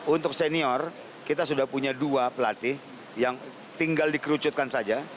untuk senior kita sudah punya dua pelatih yang tinggal dikerucutkan saja